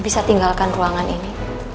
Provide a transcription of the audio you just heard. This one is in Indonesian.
oleh karena ini